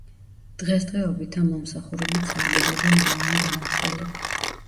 დღეს დღეობით ამ მომსახურებით სარგებლობენ ონლაინ გადამხდელები.